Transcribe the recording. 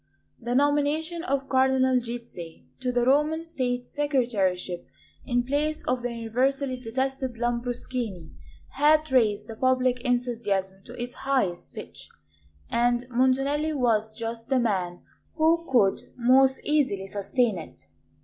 The nomination of Cardinal Gizzi to the Roman State Secretaryship in place of the universally detested Lambruschini had raised the public enthusiasm to its highest pitch; and Montanelli was just the man who could most easily sustain it.